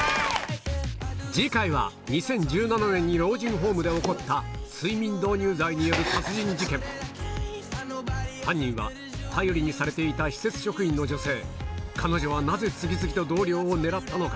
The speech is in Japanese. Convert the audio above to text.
次回は２０１７年に老人ホームで起こった睡眠導入剤による殺人事件犯人は頼りにされていた施設職員の女性彼女はなぜ次々と同僚を狙ったのか？